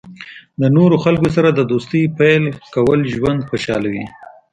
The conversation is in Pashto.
د نوو خلکو سره د دوستۍ پیل کول ژوند خوشحالوي.